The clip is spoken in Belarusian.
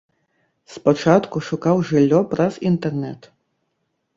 Спачатку шукаў жыллё праз інтэрнэт.